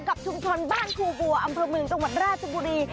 กับชุมชนบ้านครูบัวอำบลมืนตรงวันราชบุรี